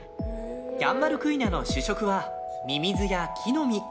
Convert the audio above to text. ヤンバルクイナの主食はミミズや木の実。